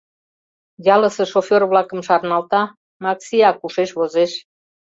Ялысе шофер-влакым шарналта, Максиак ушеш возеш.